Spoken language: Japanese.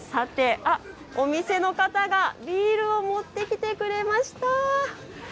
お店の方がビールを持ってきてくれました。